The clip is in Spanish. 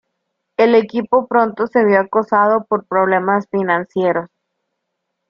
El equipo pronto se vio acosado por problemas financieros.